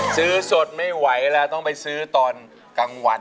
สดไม่ไหวแล้วต้องไปซื้อตอนกลางวัน